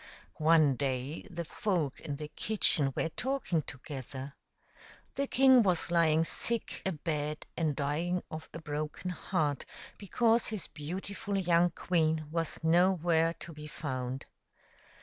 One day the folk in the kitchen were talking together. The king was lying sick abed and dying of a broken heart because his beautiful young queen was nowhere to be found.